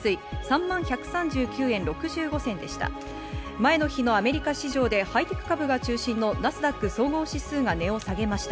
前の日のアメリカ市場でハイテク株が中心のナスダック総合指数が値を下げました。